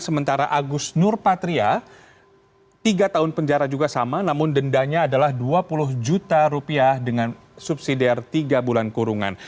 sementara agus nurpatria tiga tahun penjara juga sama namun dendanya adalah dua puluh juta rupiah dengan subsidiare tiga bulan kurungan